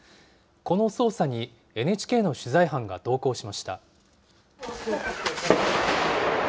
この捜査にＮＨＫの取材班が同行しました。